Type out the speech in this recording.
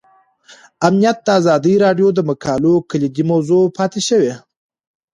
امنیت د ازادي راډیو د مقالو کلیدي موضوع پاتې شوی.